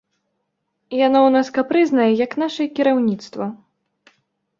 Яно ў нас капрызнае, як нашае кіраўніцтва.